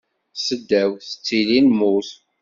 Seddaw tilli n lmut.